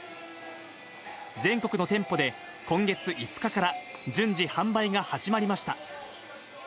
全国の店舗で今月５日から順次販売が始まりました。